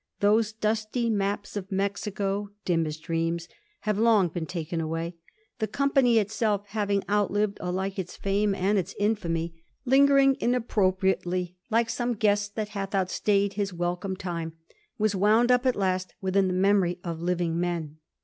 Those dusty maps of Mexico, ^ dim as dreams/ have long been taken away. The company itseL^ having outlived alike its fame and its infamy, lingering in Digiti zed by Google 1710 20. THE BUBBLE SWELLS. 245 appropriately like some guest that ^hath outstayed his welcome time/ was woimd up at last within the memory of living men.